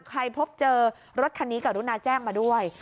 พบเจอรถคันนี้กรุณาแจ้งมาด้วย